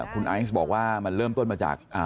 คุณไอซ์บอกว่ามันเริ่มต้นมาจาก